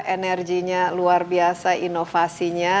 energinya luar biasa inovasinya